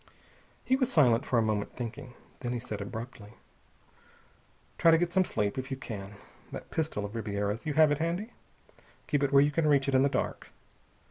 He was silent for a moment, thinking. Then he said abruptly, "Try to get some sleep, if you can. That pistol of Ribiera's you have it handy? Keep it where you can reach it in the dark.